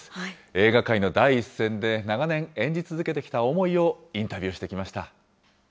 映画界の第一線で長年、演じ続けてきた思いをインタビューしてきました。